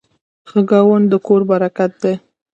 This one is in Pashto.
ښه ګاونډ د کور برکت دی.